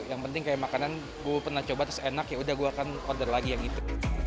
yang penting kayak makanan gue pernah coba terus enak yaudah gue akan order lagi yang gitu